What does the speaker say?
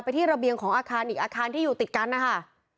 ที่ระเบียงของอาคารอีกอาคารที่อยู่ติดกันนะคะ